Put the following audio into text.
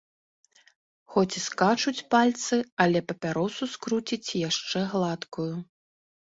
Хоць і скачуць пальцы, але папяросу скруціць яшчэ гладкую.